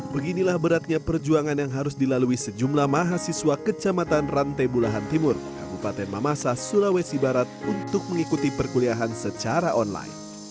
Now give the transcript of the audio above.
beginilah beratnya perjuangan yang harus dilalui sejumlah mahasiswa kecamatan rante bulahan timur kabupaten mamasa sulawesi barat untuk mengikuti perkuliahan secara online